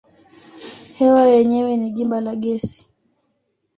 Hewa yenyewe ni gimba la gesi.